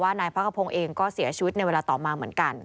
นายพระกระพงศ์เองก็เสียชีวิตในเวลาต่อมาเหมือนกัน